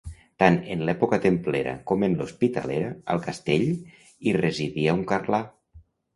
Tant en l'època templera com en l'hospitalera, al castell hi residia un carlà.